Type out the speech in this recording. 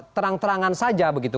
terang terangan saja begitu